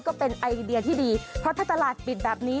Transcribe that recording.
ก็เป็นไอเดียที่ดีเพราะถ้าตลาดปิดแบบนี้